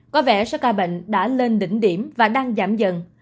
có vẻ số ca bệnh đã lên đỉnh điểm và đang giảm dần